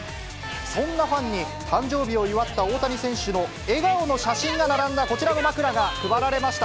そんなファンに、誕生日を祝った大谷選手の笑顔の写真が並んだこちらの枕が配られました。